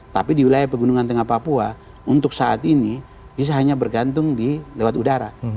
tapi di wilayah pegunungan tengah papua untuk saat ini bisa hanya bergantung lewat udara